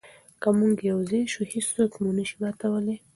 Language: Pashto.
که موږ یو ځای شو، هیڅوک مو نه شي ماتولی.